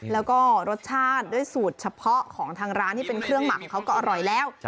แล้วก็รสชาติด้วยสูตรเฉพาะของทางร้านที่เป็นเครื่องหมักของเขาก็อร่อยแล้ว